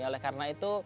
oleh karena itu